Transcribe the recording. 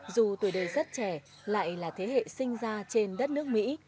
dù tuổi đời rất trẻ lại là thế hệ sinh ra trên đất nước mỹ